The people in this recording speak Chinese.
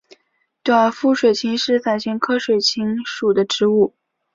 短辐水芹是伞形科水芹属的植物。